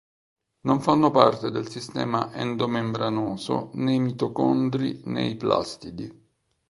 Non fanno parte del sistema endomembranoso né i mitocondri né i plastidi.